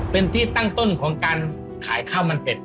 เป็นที่ตั้งต้นของการขายข้าวมันเป็ด